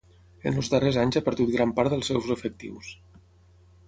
En els darrers anys ha perdut gran part dels seus efectius.